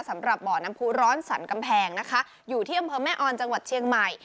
สำหรับบ่อน้ำผู้ร้อนสรรกำแพงนะคะอยู่ที่อำเภอแม่ออนจังหวัดเชียงใหม่